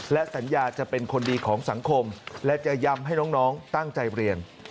และสัญญาจะเป็นคนดีของสังคมและจะย้ำให้น้องตั้งใจเรียน